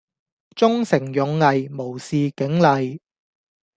忠誠勇毅無視警例